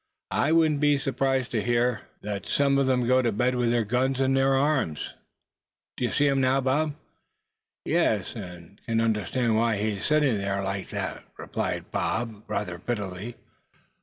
I wouldn't be surprised to hear that some of them go to bed with their guns in their arms. Do you see him now, Bob?" "Yes, and can understand why he's sitting there like that," replied the other, rather bitterly.